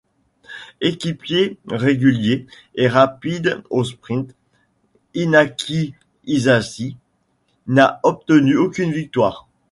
Équipier régulier et rapide au sprint, Inaki Isasi n’a obtenu aucune victoire.